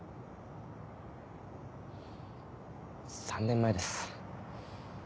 ３年前です。